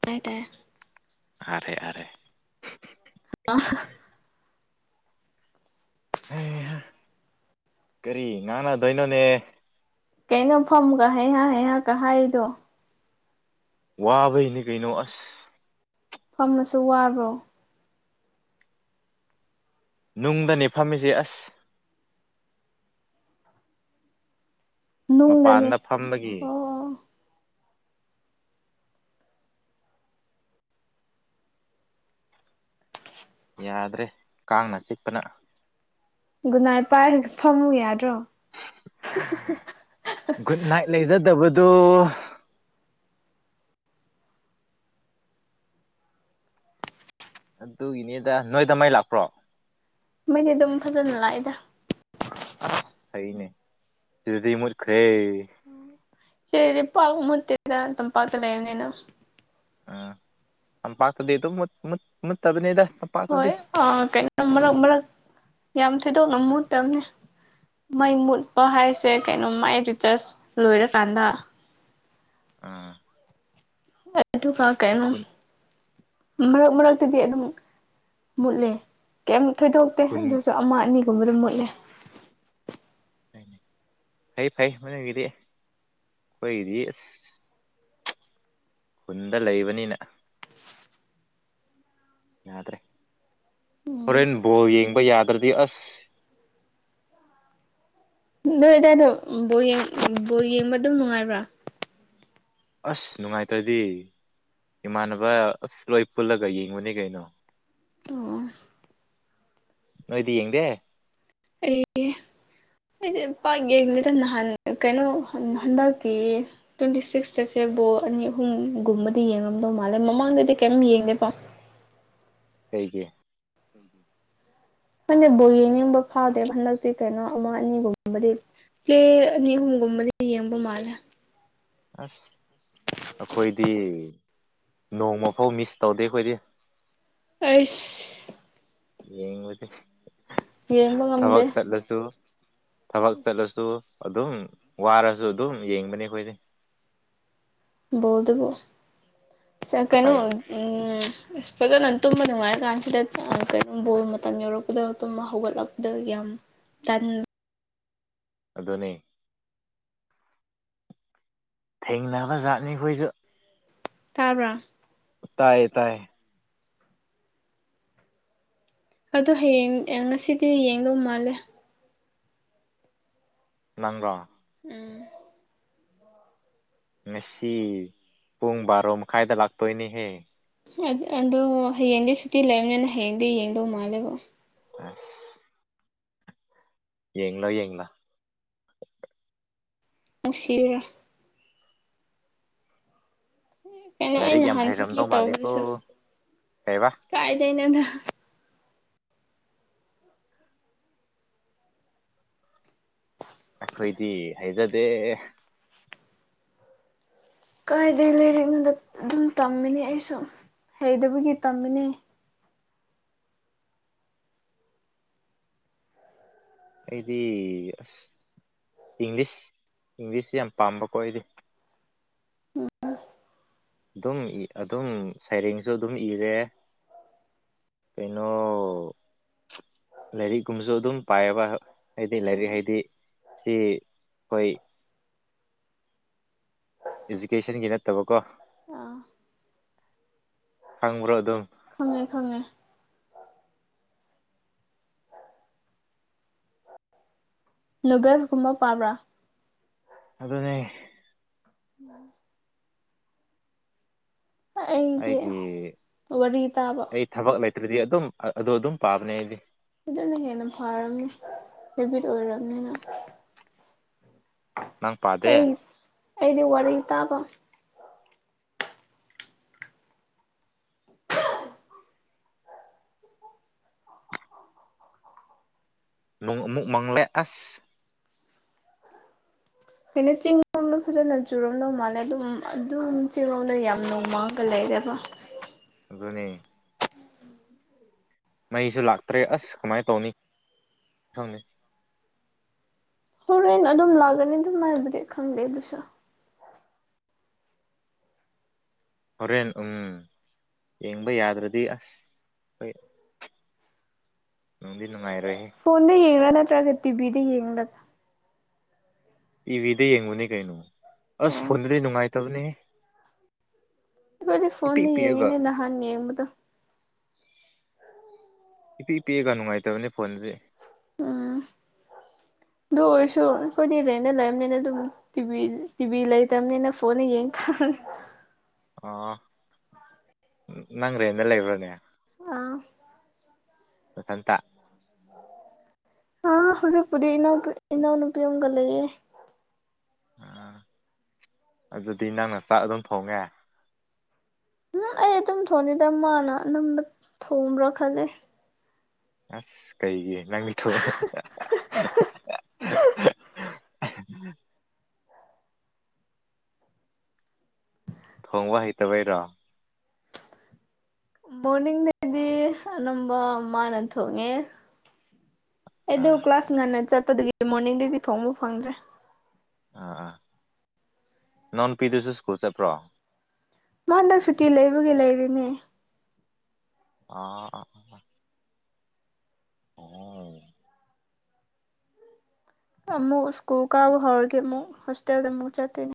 ꯇꯥꯏ ꯇꯥꯏꯌꯦ ꯑꯦ ꯑꯦ ꯑ ꯑꯦ ꯀꯔꯤ ꯉꯥꯡꯅꯗꯣꯏꯅꯣꯅꯦ ꯀꯩꯅꯣ ꯐꯝꯒ ꯍꯩꯍꯥꯛ ꯍꯩꯍꯥꯛꯀ ꯍꯥꯏꯔꯤꯗꯣ ꯋꯥꯕꯩꯅꯦ ꯀꯩꯅꯣ ꯑꯁ ꯐꯝꯂꯁꯨ ꯋꯥꯕ꯭ꯔꯣ ꯅꯨꯡꯗꯅꯦ ꯐꯝꯃꯤꯁꯦ ꯑꯁ ꯅꯨꯡꯗꯅꯦ ꯃꯄꯥꯟꯗ ꯐꯝꯕꯒꯤ ꯑꯣ ꯌꯥꯗ꯭ꯔꯦ ꯀꯥꯡꯅ ꯆꯤꯛꯄꯅ ꯒꯨꯅꯥꯏ ꯄꯥꯏꯔꯒ ꯐꯝꯃꯨ ꯌꯥꯗ꯭ꯔꯣ ꯒꯨꯗ ꯅꯥꯏꯠ ꯂꯩꯖꯗꯕꯗꯣ ꯑꯗꯨꯒꯤꯅꯦꯗꯥ ꯅꯣꯏꯗ ꯃꯩ ꯂꯥꯛꯄ꯭ꯔꯣ ꯃꯩꯗꯤ ꯑꯗꯨꯝ ꯐꯖꯅ ꯂꯥꯛꯑꯦꯗ ꯑꯁ ꯍꯥꯏꯅꯦ ꯁꯤꯗꯩ ꯃꯨꯠꯈ꯭ꯔꯦ ꯁꯤꯗꯗꯤ ꯄꯥꯛ ꯃꯨꯠꯇꯦꯗ ꯇꯝꯄꯥꯛꯇ ꯂꯩꯕꯅꯤꯅ ꯎꯝ ꯇꯝꯄꯥꯛꯇꯗꯤ ꯑꯗꯨꯣ ꯃꯨꯠꯇꯕꯅꯤꯗ ꯇꯝꯄꯥꯛꯇꯗꯤ ꯍꯣꯏ ꯑ ꯀꯩꯅꯣ ꯃꯔꯛ ꯃꯔꯛ ꯌꯥꯝ ꯊꯣꯏꯗꯣꯛꯅ ꯃꯨꯠꯇꯕꯅꯦ ꯃꯩ ꯃꯨꯠꯄ ꯍꯥꯏꯁꯦ ꯀꯩꯅꯣ ꯃꯥꯏ ꯔꯤꯇꯔꯁ ꯂꯣꯏꯔꯀꯥꯟꯗ ꯑꯥ ꯑꯗꯨ ꯑꯗꯨ ꯀꯥ ꯀꯥꯏꯅꯨ ꯈꯨꯟ ꯃꯔꯛ ꯃꯔꯛꯇꯗꯤ ꯑꯗꯨꯝ ꯃꯨꯠꯂꯦ ꯀꯩꯝ ꯊꯣꯏꯗꯣꯛꯇꯦ ꯈꯨꯟ ꯑꯗꯨꯁꯨ ꯑꯃ ꯑꯅꯤꯒꯨꯝꯕꯗ ꯃꯨꯠꯂꯦ ꯐꯩ ꯐꯩ ꯃꯅꯨꯡꯒꯤꯗꯤ ꯑꯩꯈꯣꯏꯒꯤꯗꯤ ꯑꯁ ꯈꯨꯟꯗ ꯂꯩꯕꯅꯤꯅ ꯌꯥꯗ꯭ꯔꯦ ꯎꯝ ꯍꯣꯔꯦꯟ ꯕꯣꯜ ꯌꯦꯡꯕ ꯌꯥꯗ꯭ꯔꯗꯤ ꯑꯁ ꯅꯣꯏ ꯑꯗꯥꯏꯗꯣ ꯕꯣꯌꯦꯡ ꯕꯣꯌꯦꯡꯕ ꯑꯗꯨꯝ ꯅꯨꯡꯉꯥꯏꯕ꯭ꯔꯥ ꯑꯁ ꯅꯨꯡꯉꯥꯏꯇ꯭ꯔꯗꯤ ꯏꯃꯥꯟꯅꯕ ꯑꯁ ꯂꯣꯏ ꯄꯨꯜꯂꯒ ꯌꯦꯡꯕꯅꯤ ꯀꯩꯅꯣ ꯑꯣ ꯅꯣꯏꯗꯤ ꯌꯦꯡꯗꯦ ꯑꯩ ꯑꯩꯁꯦ ꯄꯥꯛ ꯌꯦꯡꯅꯤꯗ ꯅꯍꯥꯟ ꯀꯩꯅꯣ ꯍꯟꯗꯛꯀꯤ ꯇ꯭ꯋꯦꯟꯇꯤ ꯁꯤꯛꯁꯇꯁꯦ ꯕꯣ ꯑꯅꯤ ꯑꯍꯨꯝꯒꯨꯝꯕꯗꯤ ꯌꯦꯡꯉꯝꯗꯧ ꯃꯥꯜꯂꯦ ꯃꯃꯥꯡꯗꯗꯤ ꯀꯔꯤꯝ ꯌꯦꯡꯗꯦꯕꯣ ꯀꯩꯒꯤ ꯎꯝꯝ [inaudible] ꯑꯩꯈꯣꯏꯅ ꯕ ꯌꯦꯡꯅꯤꯡꯕ ꯐꯥꯎꯗꯦꯕ ꯍꯟꯗꯛꯇꯤ ꯀꯩꯅꯣ ꯑꯃ ꯑꯅꯤꯒꯨꯝꯨꯝꯕꯗꯤ ꯄ꯭ꯂꯦ ꯑꯅꯤ ꯑꯍꯨꯝꯒꯨꯝꯕꯗꯤ ꯌꯦꯡꯕ ꯃꯥꯜꯂꯦ ꯑꯁ ꯑꯩꯈꯣꯏꯗꯤ ꯅꯣꯡꯃꯐꯧ ꯃꯤꯁ ꯇꯧꯗꯦ ꯑꯩꯈꯣꯏꯗꯤ ꯑꯁ ꯌꯦꯡꯕꯁꯦ ꯌꯦꯡꯕ ꯊꯕꯛ ꯉꯝꯗꯦ ꯆꯠꯂꯁꯨ ꯊꯕꯛ ꯆꯠꯂꯁꯨ ꯑꯗꯨꯝ ꯋꯥꯔꯁꯨ ꯑꯗꯨꯝ ꯌꯦꯡꯕꯅꯦ ꯑꯩꯈꯣꯏꯗꯤ ꯣꯗꯨꯕꯨꯣ ꯀꯩꯅꯣ ꯍꯣꯏ ꯎꯝ ꯑꯁ ꯐꯖꯅ ꯇꯨꯝꯕ ꯅꯨꯡꯉꯥꯏꯔ ꯀꯥꯟꯁꯤꯗ ꯀꯩꯅꯣ ꯕꯣꯜ ꯃꯇꯝ ꯌꯧꯔꯛꯄꯗ ꯇꯨꯝꯕ ꯍꯧꯒꯠꯂꯛꯄꯗ ꯌꯥꯝ [unintelligible] ꯑꯗꯨꯅꯤ ꯊꯦꯡꯅꯕ ꯖꯥꯠꯅꯤꯈꯣꯏꯁꯨ ꯇꯥꯕ꯭ꯔꯥ ꯇꯥꯏꯌꯦ ꯇꯥꯏꯌꯦ ꯑꯗꯣ ꯍꯌꯦꯡ ꯑꯦꯟ ꯉꯁꯤꯗꯤ ꯌꯦꯡꯗꯧ ꯃꯥꯜꯂꯦ ꯅꯪꯔꯣ ꯎꯝ ꯉꯁꯤ ꯄꯨꯡ ꯕꯥꯔꯣ ꯃꯈꯥꯏꯗ ꯂꯥꯛꯇꯣꯏꯅꯦꯍꯦ ꯑꯗꯣ ꯍꯌꯦꯡꯗꯤ ꯁꯨꯇꯤ ꯂꯩꯕꯅꯤꯅ ꯍꯌꯦꯡꯗꯤ ꯌꯦꯡꯗꯧ ꯃꯥꯜꯂꯦꯕ ꯑ ꯌꯦꯥ ꯌꯦꯥ ꯅꯨꯡꯁꯤꯔꯥ ꯀꯩꯅꯣ ꯑꯩ ꯂꯥꯏꯔꯤꯛ ꯌꯥꯝ ꯅꯍꯥꯟ ꯍꯩꯔꯝꯗꯧ ꯊꯤꯄꯤꯑꯦꯠ ꯃꯥꯜꯂꯤꯀꯣ ꯇꯧꯕꯗꯨꯁꯨ ꯀꯩꯕꯥ ꯑꯁ ꯀꯥꯏꯗꯩꯅꯣꯗ ꯑꯩꯈꯣꯏꯗꯤ ꯍꯥꯏꯖꯗꯦ ꯀꯥꯏꯗꯩ ꯂꯥꯏꯔꯤꯛꯅꯣꯗ ꯑꯗꯨꯝ ꯇꯝꯃꯤꯅꯦ ꯑꯩꯁꯨ ꯍꯩꯇꯕꯒꯤ ꯇꯝꯃꯤꯅꯦ ꯑꯩꯗꯤ ꯑꯁ ꯏꯪꯂꯤꯁ ꯏꯪꯂꯤꯁꯁ ꯌꯥꯝ ꯄꯥꯝꯕꯀꯣ ꯑꯩꯗꯤ ꯑꯗꯨꯝ ꯏ ꯑꯗꯨꯝ ꯁꯩꯔꯦꯡꯁꯨ ꯑꯗꯨꯝ ꯏꯔꯦ ꯄꯩꯅꯣ ꯂꯥꯏꯔꯤꯛꯀꯨꯝꯕꯁꯨ ꯑꯗꯨꯝ ꯄꯥꯏꯌꯦꯕ ꯍꯥꯏꯗꯤ ꯂꯥꯏꯔꯤꯛ ꯑꯥ ꯍꯥꯏꯗꯤ ꯁꯤ ꯑꯩꯈꯣꯏ ꯏꯖꯨꯀꯦꯁꯟꯒꯤ ꯅꯠꯇꯕꯀꯣ ꯈꯪꯕ꯭ꯔꯣ ꯑꯗꯨꯝ ꯈꯪꯉꯦ ꯈꯪꯉꯦ ꯅꯨꯕꯦꯁꯀꯨꯝꯕ ꯄꯥꯕ꯭ꯔꯥ ꯑꯗꯨꯅꯦ ꯎꯝ [inaudible] ꯑꯩꯗꯤ ꯑꯩꯒꯤ ꯋꯥꯔꯤ ꯇꯥꯕ ꯑꯩ ꯊꯕꯛ ꯂꯩꯇ꯭ꯔꯗꯤ ꯑꯗꯨꯝ ꯑꯗꯨ ꯑꯗꯨꯝ ꯄꯥꯕꯅꯦ ꯑꯩꯗꯤ ꯁꯤꯗꯅ ꯍꯦꯟꯅ ꯐꯔꯝꯅꯤ ꯍꯦꯕꯤꯠ ꯑꯣꯏꯔꯝꯅꯤꯅ ꯅꯪ ꯄꯥꯗꯦ ꯑꯩ ꯑꯩꯗꯤ ꯋꯥꯔꯤ ꯇꯥꯕ ꯅꯣꯡ ꯑꯃꯨꯛ ꯃꯡꯂꯦ ꯑꯁ ꯀꯩꯅꯣ ꯆꯤꯡꯂꯣꯝꯗ ꯐꯖꯅ ꯆꯨꯔꯝꯗꯧ ꯃꯥꯜꯂꯦ ꯑꯗꯨꯝ ꯑꯗꯨꯝ ꯆꯤꯡꯂꯣꯝꯗ ꯌꯥꯝ ꯅꯣꯡꯃꯡ ꯑꯗꯨꯒꯒ ꯂꯩꯔꯕ [unintelligible] ꯑꯗꯨꯅꯤ ꯃꯩꯁꯨ ꯂꯥꯛꯇ꯭ꯔꯦ ꯑꯁ ꯀꯃꯥꯏꯅ ꯇꯧꯅꯤ ꯈꯪꯅꯤ ꯍꯣꯔꯦꯟ ꯑꯗꯨꯝ ꯂꯥꯛꯀꯅꯤ ꯑꯗꯨꯝ ꯍꯥꯏꯕꯗꯤ ꯈꯪꯗꯦ ꯑꯗꯨꯁꯨ ꯍꯣꯔꯦꯟ ꯎꯝ ꯌꯦꯡꯕ ꯌꯥꯗ꯭ꯔꯗꯤ ꯑꯁ ꯍꯣꯏ ꯅꯨꯡꯗꯤ ꯅꯨꯡꯉꯥꯏꯔꯣꯏꯍꯦ ꯐꯣꯟꯗ ꯌꯦꯡꯂꯥ ꯅꯠꯇ꯭ꯔꯒ ꯇꯤꯚꯤꯗ ꯌꯦꯡꯂꯥ ꯇꯤꯚꯤꯗ ꯌꯦꯡꯕꯅꯦ ꯀꯩꯅꯣ ꯑꯁ ꯑꯣ ꯐꯣꯟꯗꯗꯤ ꯅꯨꯡꯉꯥꯏꯇꯕꯅꯦꯍ‌ꯦ ꯑꯩꯈꯣꯏꯗꯤ ꯐꯣꯟꯗ ꯌꯦꯡꯉꯤꯅꯤ ꯅꯍꯥꯟ ꯌꯦꯡꯕꯗꯣ ꯏꯄꯤꯛ ꯏꯄꯤꯛꯑꯒ ꯅꯨꯡꯉꯥꯏꯇꯕꯅꯦ ꯐꯣꯟꯁꯦ ꯎꯝ ꯑꯗꯨ ꯑꯣꯏꯔꯁꯨ ꯑꯩꯈꯣꯏꯗꯤ ꯔꯦꯟꯗ ꯂꯩꯕꯅꯤꯅ ꯑꯗꯨꯝ ꯇꯤꯕꯤ ꯇꯤꯕꯤ ꯂꯩ ꯇꯝꯅꯤꯅ ꯐꯣꯟ ꯌꯦꯡ ꯊꯅꯤ ꯑꯣ ꯅꯪ ꯔꯦꯟꯗ ꯂꯩꯕ꯭ꯔꯅꯦ ꯑꯥ ꯁꯇ ꯑꯥ ꯍꯧꯖꯤꯛ ꯄꯨꯗꯤ ꯏ ꯏꯅꯨꯄꯤꯒ ꯂꯩꯒꯦ ꯑꯥ ꯑꯗꯨꯗꯤ ꯅꯪꯅ ꯆꯥꯛ ꯑꯗꯨꯝ ꯐꯣꯡꯉꯦ ꯎꯝ ꯑꯩ ꯑꯗꯨꯝ ꯊꯣꯡꯅꯤꯗ ꯃꯥꯅ ꯑꯝꯕ ꯊꯣꯡꯕ꯭ꯔꯥ ꯈꯜꯂꯦ ꯑꯁ ꯀꯩꯒꯤ ꯅꯪꯗꯤ ꯊꯕꯛ [unintelligible] ꯊꯣꯡꯕ ꯍꯩꯇꯕꯩꯔꯣ ꯃꯣꯔꯅꯤꯡꯗꯩꯗꯤ ꯑꯅꯝꯕ ꯃꯥꯅ ꯊꯣꯡꯉꯦ ꯑꯩꯗ ꯑꯥ ꯀ꯭ꯂꯥꯁ ꯉꯟꯅ ꯆꯠꯄꯗꯨꯒꯤ ꯃꯣꯔꯅꯤꯡꯗꯩꯗꯤ ꯊꯣꯡꯕ ꯐꯪꯗ꯭ꯔꯦ ꯑꯥ ꯑꯥ ꯅꯅꯥꯎꯅꯨꯄꯤꯗꯨꯁꯨ ꯁ꯭ꯀꯨꯜ ꯆꯠꯄ꯭ꯔꯣ ꯃꯥ ꯍꯟꯗꯛ ꯁꯨꯇꯤ ꯂꯩꯕꯒꯤ ꯂꯩꯔꯤꯅꯦ ꯑ ꯑꯣ ꯑꯃꯨ ꯁꯀꯨꯜ ꯀ ꯍꯔꯗꯤꯃ ꯍꯁꯇꯦꯜꯗ ꯑꯃꯣ ꯆꯠꯇꯣꯏꯅꯤ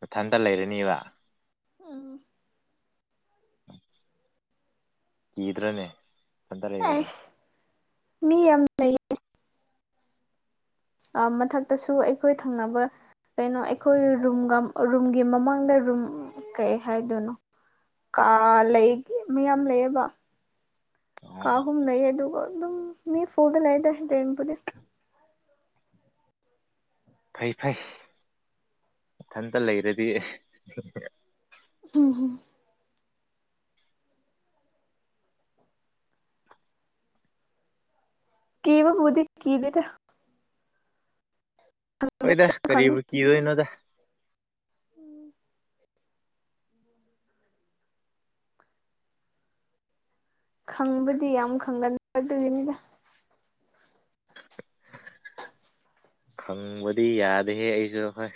ꯃꯊꯟꯇ ꯂꯩꯔꯅꯤꯕ [unintelligible] ꯀꯤꯗ꯭ꯔꯅꯦ ꯃꯊꯟꯇ ꯂꯩꯕꯗꯣ ꯑꯦꯁ ꯃꯤ ꯌꯥꯝ ꯂꯩ ꯃꯊꯛꯇꯁꯨ ꯑꯩꯈꯣꯏ ꯊꯪꯅꯕ ꯀꯩꯅꯣ ꯑꯩꯈꯣꯏ ꯔꯨꯝꯒ ꯔꯨꯝꯒꯤ ꯃꯃꯥꯡꯗ ꯔꯨꯝ ꯀꯩ ꯍꯥꯏꯗꯣꯏꯅꯣ ꯀ ꯂꯩꯒꯦ ꯃꯌꯥꯝ ꯂꯩꯌꯦꯕ ꯑꯣ ꯀꯥꯍꯨꯝ ꯅꯌꯦ ꯑꯗꯨꯒꯣ ꯑꯗꯨꯝ ꯃꯤ ꯐꯨꯜꯗ ꯂꯩꯗ ꯇꯥꯏꯝꯄ ꯐꯩ ꯐꯩ ꯏꯊꯟꯇ ꯂꯩꯔꯗꯤ ꯑꯣ ꯍꯣ ꯀꯕꯕꯨꯗꯤ ꯀꯤꯗꯦꯗ ꯍꯣꯏꯗ ꯈꯪꯉꯦ ꯀꯔꯤꯕꯨ ꯀꯤꯗꯣꯏꯅꯣꯗ ꯈꯪꯕꯗꯤ ꯌꯥꯝ ꯈꯪꯗꯅꯤ ꯑꯗꯨꯒꯤꯅꯤꯗ ꯍꯪꯕꯗꯤ ꯌꯥꯗꯦꯍꯦ ꯑꯩꯁꯨ ꯍꯣꯏ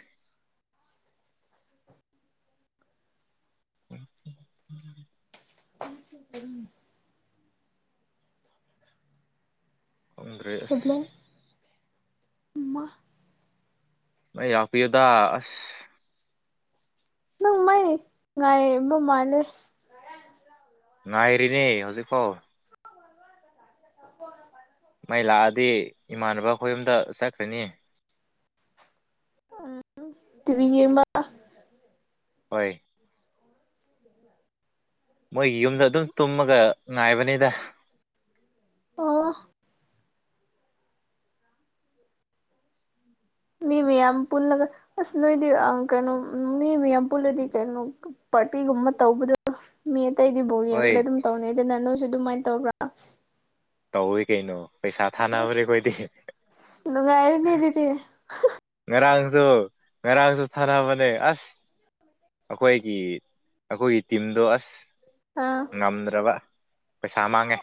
[unintelligible] [unintelligible] ꯈꯪꯗ꯭ꯔꯦ [unintelligible] ꯃ ꯌꯥꯥꯛꯄꯤꯌꯨꯗ ꯑꯁ ꯅꯪ ꯃꯥꯏ ꯉꯥꯏ ꯃ ꯃꯥꯂꯦ ꯉꯥꯏ ꯑꯦꯔꯤꯅꯦ ꯍꯧꯖꯤꯛ ꯈꯣ ꯃꯩ ꯂꯥꯛꯑꯗꯤ ꯏꯃꯥꯟꯅꯕ ꯑꯩꯈꯣꯏ ꯑꯝꯗ ꯆꯠꯈ꯭ꯔꯅꯤ ꯎꯝ ꯇꯕꯤ ꯌꯦꯡꯕ ꯍꯣꯏ ꯃꯣꯏꯒꯤ ꯌꯨꯝꯗ ꯑꯗꯨꯝ ꯇꯨꯝꯃꯒ ꯉꯥꯏꯕꯅꯤꯗ ꯑꯣ ꯃꯤ ꯃꯌꯥꯝ ꯄꯨꯜꯂꯒ ꯑꯁ ꯅꯣꯏꯗꯤ ꯀꯩꯅꯣ ꯃꯤ ꯃꯌꯥꯝ ꯄꯨꯜꯂꯗꯤ ꯀꯩꯅꯣ ꯄꯇꯤꯒꯨꯝꯃ ꯇꯧꯗ ꯃꯤ ꯑꯇꯩꯗꯤ [unintelligible] ꯍꯣꯏ ꯌꯦꯡꯕ꯭ꯔ ꯑꯗꯨꯝ ꯇꯧꯅꯤ ꯑꯗꯨꯅ ꯅꯣꯏꯁꯨ ꯑꯗꯨꯃꯥꯏꯅ ꯇꯧꯕ꯭ꯔꯥ ꯇꯧꯏ ꯀꯩꯅꯣ ꯄꯩꯁꯥ ꯊꯥꯅꯕꯨꯔꯦꯈꯣꯏꯗꯤ ꯉꯥꯏꯔꯦꯅꯦ ꯑꯗꯨꯗꯤ ꯉꯔꯥꯡꯁꯨ ꯉꯔꯥꯡꯁꯨ ꯊꯥꯅꯕꯅꯦ ꯑꯁ ꯑꯩꯈꯣꯏꯒꯤ ꯑꯩꯈꯣꯏꯒꯤ ꯇꯤꯝꯗꯣ ꯑꯁ ꯑꯥ ꯉꯝꯗ꯭ꯔꯕ ꯄꯩꯁꯥ ꯃꯥꯡꯉꯦ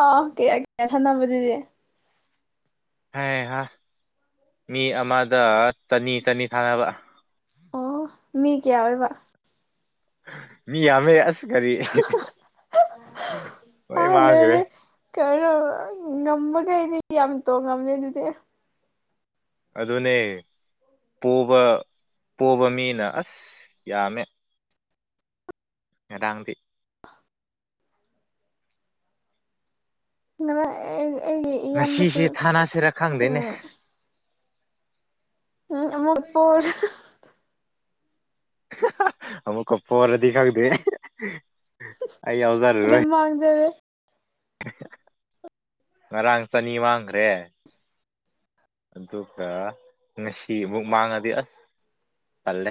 ꯑ ꯀꯌꯥ ꯀꯌꯥ ꯊꯥꯟꯗꯕꯨꯗꯤꯗꯤ ꯍꯥꯏ ꯍꯥ ꯃꯤ ꯑꯃꯗ ꯆꯅꯤ ꯆꯅꯤ ꯊꯥꯅꯕ ꯑꯣ ꯃꯤ ꯀꯌꯥ ꯑꯣꯏꯕ ꯃꯤ ꯌꯥꯝꯃꯦ ꯑꯁ ꯀꯔꯤ ꯂꯣꯏ ꯑꯥ ꯃꯥꯡꯈ꯭ꯔꯦ ꯂꯣꯏꯔꯦ ꯀꯩꯅꯣ ꯉꯝꯕꯈꯩꯗꯤ ꯌꯥꯝ ꯇꯣꯡꯉꯝꯃꯦ ꯑꯗꯨꯗꯤ ꯑꯗꯨꯅꯦ ꯄꯣꯕ ꯄꯣꯕ ꯃꯤꯅ ꯑꯁ ꯌꯥꯝꯃꯦ ꯃꯦꯗꯥꯥꯡꯗꯤ ꯑꯩꯒꯤ ꯏꯌꯥꯝꯕꯁꯨ ꯉꯁꯤꯁꯦ ꯊꯥꯅꯁꯤꯔ ꯎ ꯈꯪꯗꯦꯅꯦ ꯎꯝ ꯑꯃꯛꯄꯨꯔ ꯑꯃꯨꯀ ꯄꯣꯔꯗꯤ ꯈꯪꯗꯦ ꯑꯩ ꯌꯥꯎꯖꯔꯔꯣꯏ ꯑꯗꯨꯝ ꯃꯥꯟꯅꯔꯦ ꯉꯔꯥꯡ ꯆꯥꯅꯤ ꯃꯥꯡꯈ꯭ꯔꯦ ꯑꯗꯨꯒ ꯉꯁꯤ ꯑꯃꯨꯛ ꯃꯥꯡꯉꯗꯤ ꯑꯁ ꯇꯜꯂꯦ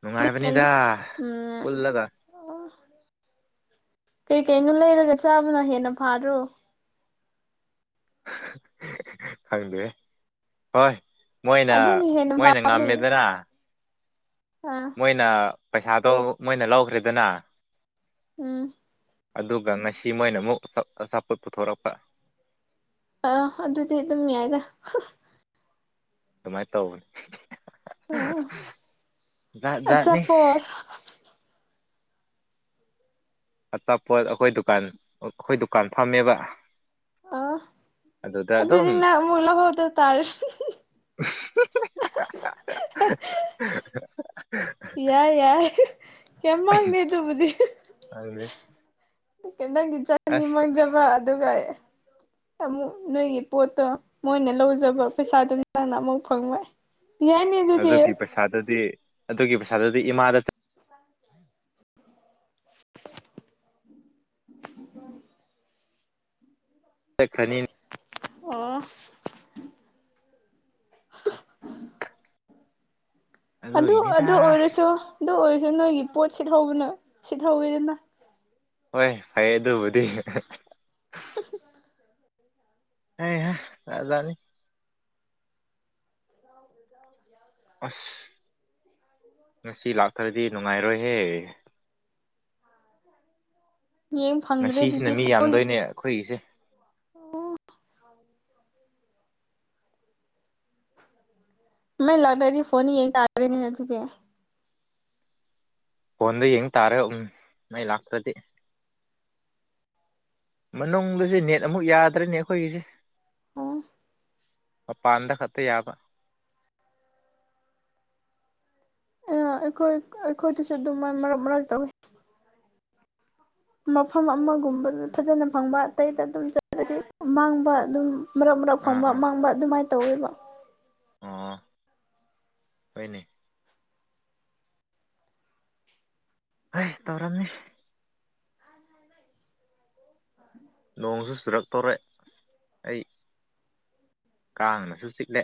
ꯅꯨꯡꯉꯥꯏꯕꯅꯤꯗ ꯄꯨꯜꯂꯒ ꯑꯣ ꯀꯩꯀꯩꯅꯣ ꯂꯩꯔꯒ ꯆꯥꯕꯅ ꯍꯦꯟꯅ ꯐꯥꯗ꯭ꯔꯣ ꯈꯪꯗꯦ ꯍꯣꯏ ꯃꯣꯏꯅ ꯑꯗꯨꯅ ꯍꯦꯟꯅ ꯃꯣꯏꯅ ꯐꯕꯅꯦ ꯉꯝꯃꯦꯗꯅ ꯑꯥ ꯃꯣꯏꯅ ꯄꯩꯁꯥꯗꯣ ꯃꯣꯏꯅ ꯂꯧꯈ꯭ꯔꯦꯗꯅ ꯎꯝ ꯑꯗꯨꯒ ꯉꯁꯤ ꯃꯣꯏꯅ ꯑꯃꯨꯛ ꯑꯆꯥꯄꯣꯠ ꯄꯨꯊꯣꯔꯛꯄ ꯑ ꯑꯗꯨꯗꯤ ꯑꯗꯨꯝ ꯌꯥꯏꯗ ꯑꯗꯨꯃꯥꯏꯅ ꯇꯧꯕꯅꯤ ꯑꯥ ꯖꯥꯠ ꯖꯥꯠꯅꯤ ꯍꯣꯢ ꯑꯆꯥꯄꯣꯠ ꯑꯩꯈꯣꯏ ꯗꯨꯀꯥꯟ ꯑꯩꯈꯣꯏ ꯗꯨꯀꯥꯟ ꯐꯝꯃꯦꯕ ꯑꯥ ꯑꯗꯨꯗ ꯑꯗꯨꯝ ꯑꯗꯨꯗꯤꯅ ꯅꯪ ꯑꯃꯨꯛ ꯂꯧꯍꯧꯗ ꯇꯔꯦꯅꯦ [inaudible] ꯌꯥꯏ ꯌꯥꯏ ꯌꯥꯝ ꯃꯥꯡꯗꯦ ꯑꯗꯨꯕꯨꯗꯤ ꯑꯗꯨꯅꯦ ꯀꯪꯒꯤ ꯆꯥꯅꯤ ꯃꯥꯡꯖꯕ ꯑꯗꯨꯒ ꯑꯃꯨꯛ ꯅꯣꯏꯒꯤ ꯄꯣꯠꯇꯣ ꯃꯣꯏꯅ ꯂꯧꯖꯕ ꯄꯩꯁꯥꯗꯨ ꯅꯪꯅ ꯑꯃꯨꯛ ꯐꯪꯕ ꯌꯥꯢ ꯑꯗꯨꯒꯤ ꯄꯩꯁꯥꯗꯨꯗꯤ ꯑꯗꯨꯒꯤ ꯄꯩꯁꯥꯗꯨꯗꯤ ꯏꯃꯥꯗ [unintelligible] ꯆꯠꯈ꯭ꯔꯅꯤ ꯑꯣ ꯑꯗꯨ ꯑꯗꯨꯒꯤꯅꯤꯗ ꯑꯗꯨ ꯑꯣꯏꯔꯁꯨ ꯑꯗꯨ ꯑꯣꯏꯔꯁꯨ ꯅꯣꯏꯒꯤ ꯄꯣꯠ ꯁꯤꯠꯍꯧꯕꯅ ꯁꯤꯠꯍꯧꯋꯤꯗꯅ ꯍꯣꯏ ꯐꯩ ꯑꯗꯨꯕꯨꯗꯤ [inaudible] ꯍꯩ ꯍꯥ ꯖꯥꯠ ꯖꯥꯠꯅꯤ [inaudible] ꯑꯁ ꯉꯁꯤ ꯂꯥꯛꯇ꯭ꯔꯗꯤ ꯅꯨꯡꯉꯥꯏꯔꯣꯏꯍꯦ ꯌꯦꯡ ꯐꯪꯗ꯭ꯔꯦ ꯉꯁꯤꯁꯤꯅ ꯃꯤ ꯌꯥꯝꯗꯣꯏꯅꯦ ꯑꯩꯈꯣꯏꯒꯤꯁꯦ ꯑꯣ ꯃꯩ ꯂꯥꯛꯇ꯭ꯔꯗꯤ ꯐꯣꯟ ꯌꯦꯟ ꯇꯥꯔꯦꯅꯦ ꯑꯗꯨꯗꯤ ꯐꯣꯟꯗ ꯌꯦꯡ ꯇꯥꯔꯦ ꯎꯝ ꯃꯩ ꯂꯥꯛꯇ꯭ꯔꯗꯤ ꯃꯅꯨꯡꯗꯁꯦ ꯅꯦꯠ ꯑꯃꯨꯛ ꯌꯥꯗ꯭ꯔꯅꯦ ꯑꯩꯈꯣꯏꯒꯤꯁꯦ ꯑꯣ ꯃꯄꯥꯟꯗ ꯈꯛꯇ ꯌꯥꯕ ꯑꯩꯈꯣꯏ ꯑꯩꯈꯣꯏꯗꯁꯨ ꯑꯗꯨꯝ ꯃ ꯃꯔꯛ ꯃꯔꯛ ꯇꯧꯏꯤ ꯃꯐꯝ ꯑꯃꯒꯨꯝꯕꯗꯨ ꯐꯖꯅ ꯐꯪꯕ ꯑꯇꯩꯗ ꯑꯗꯨꯝ ꯆꯠꯄꯗꯤ ꯃꯥꯡꯕ ꯑꯗꯨꯝ ꯃꯔꯛ ꯃꯔꯛ ꯑꯥ ꯐꯪꯕ ꯃꯥꯡꯕ ꯑꯗꯨꯃꯥꯏꯅ ꯇꯧꯋꯦꯕ ꯑ ꯍꯅꯤ ꯍꯣꯏ ꯇꯧꯔꯝꯃꯤ ꯅꯣꯡꯁꯨ ꯆꯨꯔꯛꯇꯧꯔꯦ ꯑꯁ ꯑꯩ ꯀꯥꯡꯅꯁꯨ ꯆꯤꯛꯂꯦ